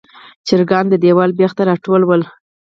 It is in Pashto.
چرګان د دیواله بیخ ته راټول ول.